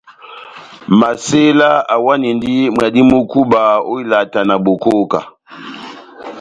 Masela awanindi mwadi mú kúba ó ilata na bokóká.